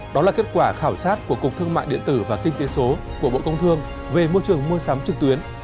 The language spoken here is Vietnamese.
đó là kết quả khảo sát của cục thương mại điện tử và kinh tế số của bộ công thương về môi trường mua sắm trực tuyến